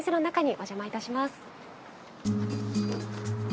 お邪魔いたします。